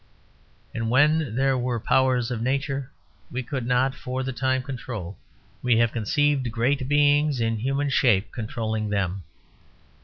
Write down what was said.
And when there were powers of Nature we could not for the time control, we have conceived great beings in human shape controlling them.